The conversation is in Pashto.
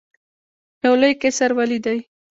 یو لوی قصر ولیدی.